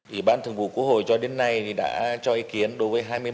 ủy ban thường vụ quốc hội cho đến nay đã cho ý kiến đối với hai mươi ba